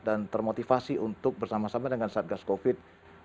dan termotivasi untuk bersama sama dengan satgas covid sembilan belas